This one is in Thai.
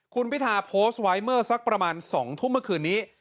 คุณพิธาโพสต์ไว้เมื่อสักประมาณ๒ทุ่มเมื่อคืนนี้